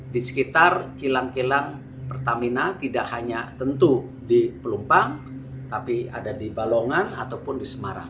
di sekitar kilang kilang pertamina tidak hanya tentu di pelumpang tapi ada di balongan ataupun di semarang